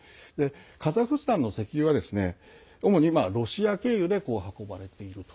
カザフスタンの石油は主にロシア経由で運ばれていると。